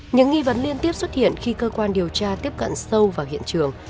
những nghi vấn liên tiếp xuất hiện khi cơ quan điều tra tiếp cận sâu vào hiện trường